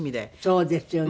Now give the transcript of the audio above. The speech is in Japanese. そうですよね。